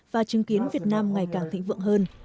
và chứng kiến việt nam ngày càng thịnh vượng hơn